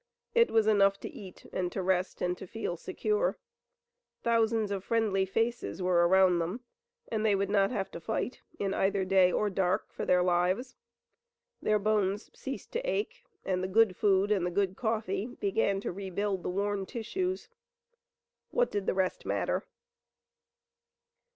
It was enough to eat and to rest and to feel secure. Thousands of friendly faces were around them, and they would not have to fight in either day or dark for their lives. Their bones ceased to ache, and the good food and the good coffee began to rebuild the worn tissues. What did the rest matter?